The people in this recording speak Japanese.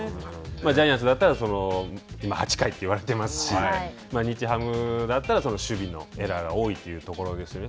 ジャイアンツだったら８回って言われてますし日ハムだったら守備のエラーが多いというところですよね。